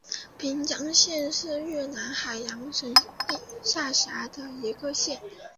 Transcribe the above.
平江县是越南海阳省下辖的一个县。